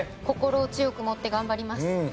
心を強く持って頑張ります。